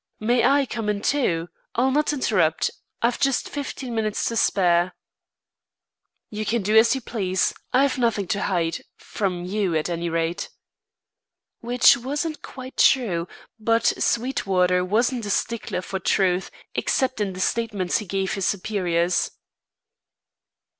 "May I come in, too? I'll not interrupt. I've just fifteen minutes to spare." "You can do as you please. I've nothing to hide from you, at any rate." Which wasn't quite true; but Sweetwater wasn't a stickler for truth, except in the statements he gave his superiors.